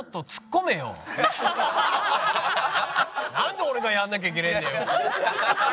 んで俺がやんなきゃいけねえんだよ。